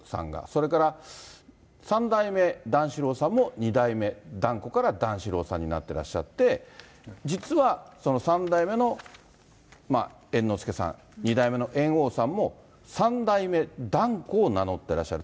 それから三代目段四郎さんも二代目團子から段四郎さんになってらっしゃって、実はその三代目の猿之助さん、二代目の猿翁さんも、三代目團子を名乗ってらっしゃる。